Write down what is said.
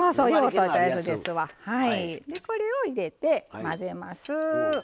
これを入れて、混ぜます。